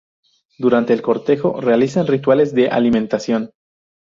Durante el cortejo realizan rituales de alimentación.